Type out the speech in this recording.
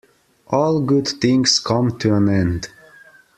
All good things come to an end.